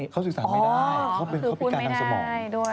เขาสื่อสารไม่ได้เขาเป็นเข้าพิการทางสมอง